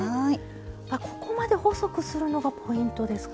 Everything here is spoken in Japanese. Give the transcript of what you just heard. ここまで細くするのがポイントですか？